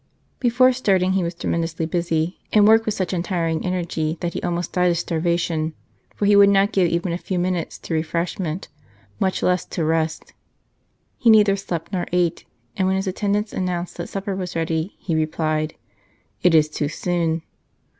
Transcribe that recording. Before starting he was tremendously busy, and worked with such untiring energy that he almost died of starvation, for he would not give even a few minutes to refreshment, much less to rest. He neither slept nor ate, and when his attendants announced that supper was ready, he replied :" It is too soon."